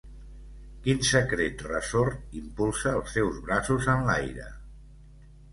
¿Quin secret ressort impulsa els seus braços enlaire?